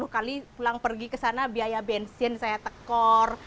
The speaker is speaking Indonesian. sepuluh kali pulang pergi ke sana biaya bensin saya tekor